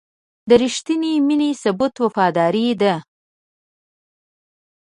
د رښتینې مینې ثبوت وفاداري ده.